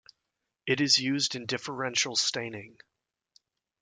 It is used in differential staining.